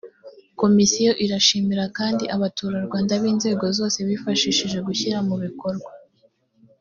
komisiyo irashimira kandi abaturarwanda b inzego zose bayifashije gushyira mu bikorwa